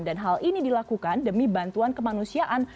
dan hal ini dilakukan demi bantuan kemanusiaan